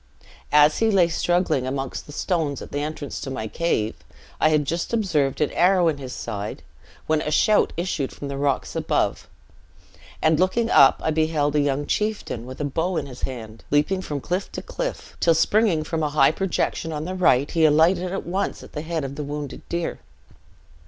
As he lay struggling amongst the stones at the entrance of my cave, I had just observed an arrow in his side, when a shout issued from the rocks above, and looking up, I beheld a young chieftain, with a bow in his hand, leaping from cliff to cliff, till springing from a high projection on the right, he alighted at once at the head of the wounded deer.